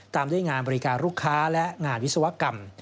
ตามด้วยงานบริการลูกค้าและงานวิศวกรรม